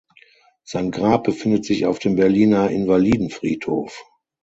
Sein Grab befindet sich auf dem Berliner Invalidenfriedhof.